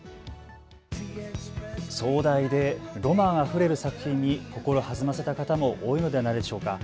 壮大でロマンあふれる作品に心弾ませた方も多いのではないでしょうか。